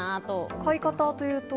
買い方というと？